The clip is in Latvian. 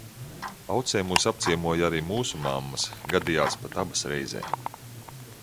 Aucē mūs apciemoja arī mūsu mammas, gadījās pat abas reizē.